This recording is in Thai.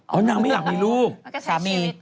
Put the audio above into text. น้องไม่อยากมีลูกสามี